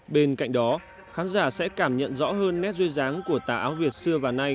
bên cạnh đó khán giả sẽ cảm nhận rõ hơn nét duyên dáng của tà áo việt xưa và nay